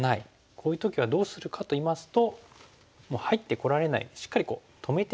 こういう時はどうするかといいますともう入ってこられないしっかり止めておくのがおすすめです。